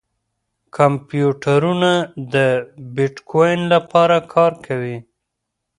کمپیوټرونه د بېټکوین لپاره کار کوي.